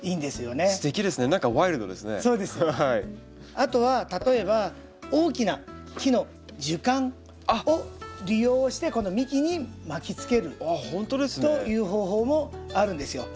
あとは例えば大きな木の樹幹を利用してこの幹に巻きつけるという方法もあるんですよ。